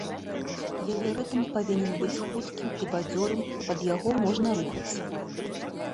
Яе рытм павінен быць хуткім і бадзёрым, пад яго можна рухацца.